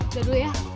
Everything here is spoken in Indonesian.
jalan dulu ya